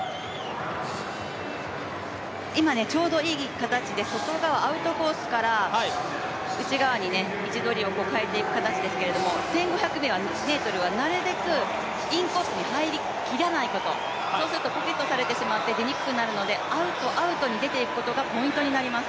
今、ちょうどいい形で外側、アウトコースから内側に位置取りを変えていく形ですけど１５００ｍはなるべくインコースに入りきらないことそうするとコミットされてしまって出にくくなるのでアウトアウトに出ていくことがポイントになります。